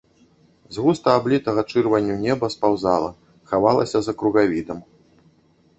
З густа аблітага чырванню неба спаўзала, хавалася за кругавідам.